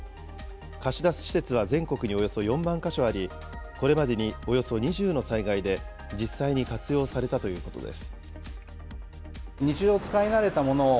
貸し出す施設は全国におよそ４万か所あり、これまでにおよそ２０の災害で実際に活用されたということです。